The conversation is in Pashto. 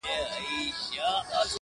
زه به ولي نن د دار سر ته ختلاى-